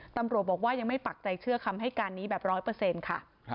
ตำรวจบอกว่ายังไม่ปักใจเชื่อคำให้การนี้แบบร้อยเปอร์เซ็นต์ค่ะ